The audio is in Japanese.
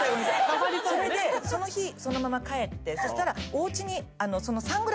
それでその日そのまま帰ってそしたら。